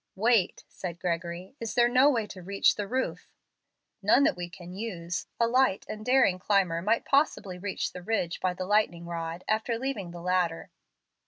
"Wait," said Gregory. "Is there no way to reach the roof?" "None that we can use. A light and daring climber might possibly reach the ridge by the lighting rod, after leaving the ladder."